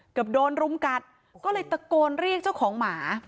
เกือบโดนรุมกัดก็เลยตะโกนเรียกเจ้าของหมา